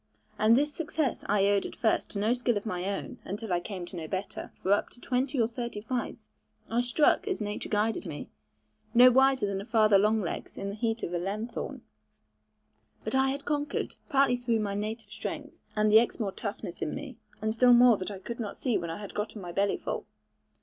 And this success I owed at first to no skill of my own; until I came to know better; for up to twenty or thirty fights, I struck as nature guided me, no wiser than a father long legs in the heat of a lanthorn; but I had conquered, partly through my native strength, and the Exmoor toughness in me, and still more that I could not see when I had gotten my bellyful.